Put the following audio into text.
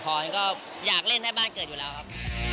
ก็อยากเล่นให้บ้านเกิดอยู่แล้วครับ